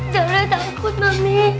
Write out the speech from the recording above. zara takut mami